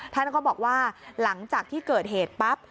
ท่านก็บอกว่าหลังจากที่เกิดเหตุปั๊บ